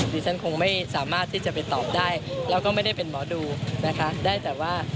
ดิฉันคงไม่สามารถที่จะไปตอบได้แล้วก็ไม่ได้เป็นหมอดูนะคะได้แต่ว่า